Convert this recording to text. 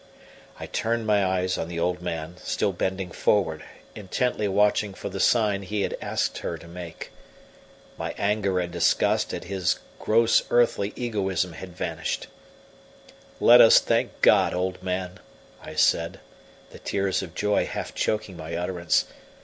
I turned my eyes on the old man, still bending forward, intently watching for the sign he had asked her to make. My anger and disgust at his gross earthy egoism had vanished. "Let us thank God, old man," I said, the tears of joy half choking my utterance.